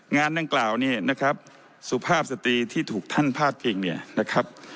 งานดังกล่าวเนี่ยนะครับสุภาพสตรีที่ถูกท่านพาดพิงเนี่ยนะครับ